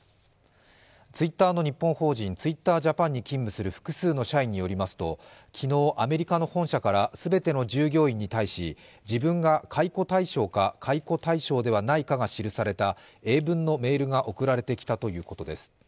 ツイッターの日本法人、ＴｗｉｔｔｅｒＪａｐａｎに勤務する複数の社員によりますと昨日、アメリカの本社から全ての従業員に対し、自分が解雇対象か解雇対象ではないかが記された英文のメールが送られてきたということです。